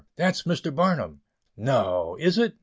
That's Mr. Barnum." "No! is it?"